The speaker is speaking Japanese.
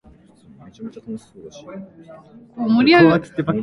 最後に行ったのは遠足の時、林の向こうの国道の先の動物園に行く時に通り抜けただけ